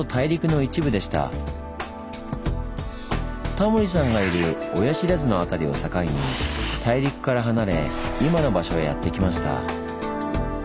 タモリさんがいる親不知の辺りを境に大陸から離れ今の場所へやって来ました。